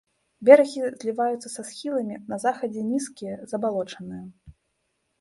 Берагі зліваюцца са схіламі, на захадзе нізкія, забалочаныя.